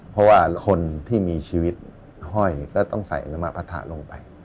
เพราะว่าคนที่มีชีวิตห้อยก็ต้องใส่อนามปะทะลงไป